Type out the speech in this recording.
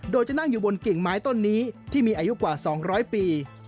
โดยจะนั่งอยู่บนกิ่งไม้ต้นนี้ที่มีอายุกว่า๒๐๐ปี